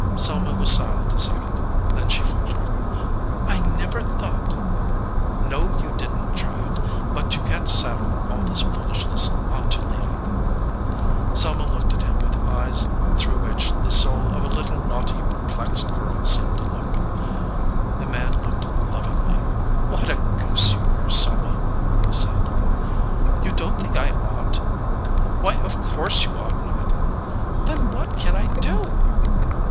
Selma was silent a second. Then she faltered, "I never thought " "No, you didn t, child ; but you can t saddle all this foolishness onto Leon." Selma looked at him with eyes through which the soul of a little naughty, perplexed girl seemed to look. The man looked lovingly. "What a goose you are, Selma !" he said. "You don t think I ought?" "Why, of course you ought not." "Then what can I do?"